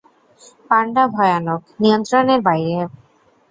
পান্ডা ভয়ানক, নিয়ন্ত্রণের বাইরে।